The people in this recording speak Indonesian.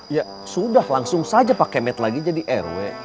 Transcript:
ya sudah langsung saja pak kemet lagi jadi rw